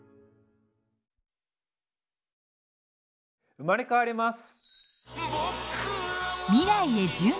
生まれ変わります！